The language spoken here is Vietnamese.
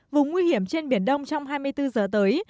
vùng nguy hiểm trên biển đông trong hai mươi bốn giờ tới